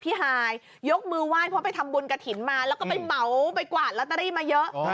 ฮายยกมือไหว้เพราะไปทำบุญกระถิ่นมาแล้วก็ไปเหมาไปกวาดลอตเตอรี่มาเยอะ